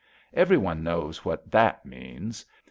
Every one knows what that means.